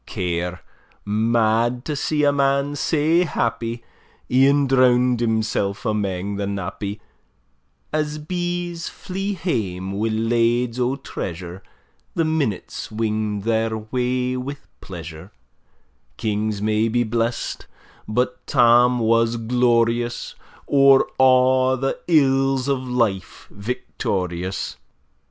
Care, mad to see a man sae happy, E'en drown'd himself amang the nappy, As bees flee hame wi' lades o' treasure, The minutes wing'd their way wi' pleasure: Kings may be blest, but Tam was glorious, O'er a' the ills o' life victorious!